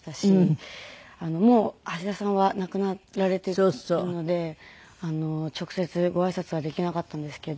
もう橋田さんは亡くなられているので直接ご挨拶はできなかったんですけど。